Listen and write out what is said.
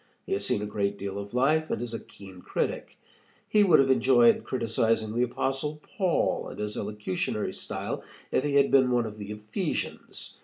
He has seen a great deal of life and is a keen critic. He would have enjoyed criticizing the Apostle Paul and his elocutionary style if he had been one of the Ephesians.